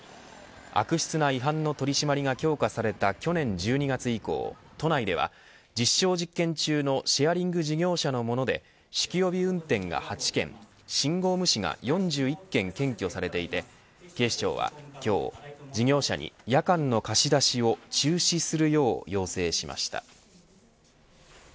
悪質な違反の取り締まりが強化された去年１２月以降、都内では実証実験中のシェアリング事業者のもので酒気帯び運転が８件信号無視が４１件検挙されていて警視庁は今日、事業者に夜間の貸し出しを中止するよう要請しました。